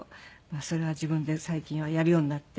それは自分で最近はやるようになって。